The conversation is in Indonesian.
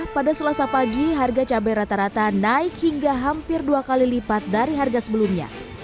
pada selasa pagi harga cabai rata rata naik hingga hampir dua kali lipat dari harga sebelumnya